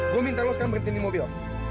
gue minta lo sekarang berhenti di mobil